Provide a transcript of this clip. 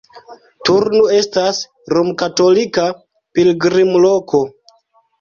Turnu estas romkatolika pilgrimloko.